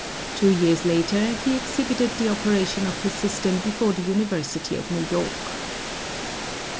Two years later he exhibited the operation of his system before the University of New York.